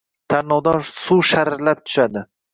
Tarnovdan suv sharillab tushadi.